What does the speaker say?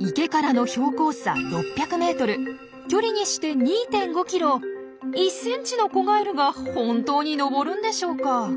池からの標高差６００ｍ距離にして２．５ｋｍを１ｃｍの子ガエルが本当に登るんでしょうか。